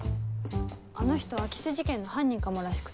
あの人空き巣事件の犯人かもらしくて。